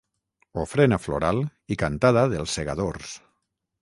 Ofrena floral i cantada dels Segadors.